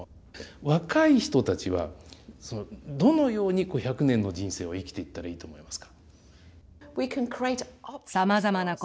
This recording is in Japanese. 若い人たちはどのように１００年の人生を生きていったらいいと思いますか？